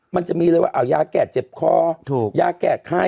มันจะมีเลยว่ายาแก้เจ็บคอถูกยาแก้ไข้